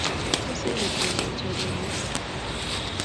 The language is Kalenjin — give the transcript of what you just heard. tos inget ile i chorwenyu?